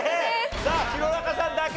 さあ弘中さんだけ。